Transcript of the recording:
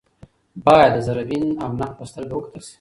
باید د ذره بین او نقد په سترګه وکتل شي